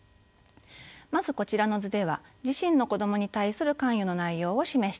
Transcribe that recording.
まずこちらの図では自身の子どもに対する関与の内容を示しています。